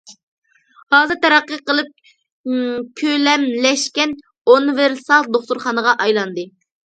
ھازىر تەرەققىي قىلىپ، كۆلەملەشكەن ئۇنىۋېرسال دوختۇرخانىغا ئايلاندى.